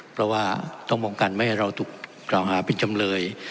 เพราะว่าต้องป้องกันไม่ให้เราถูกกล่าวหาเป็นจำเลย